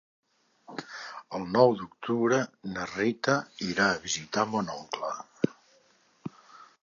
El nou d'octubre na Rita irà a visitar mon oncle.